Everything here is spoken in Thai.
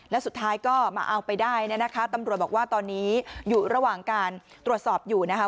แล้วสุดท้ายก็มาเอาไปได้เนี่ยนะคะตำรวจบอกว่าตอนนี้อยู่ระหว่างการตรวจสอบอยู่นะคะ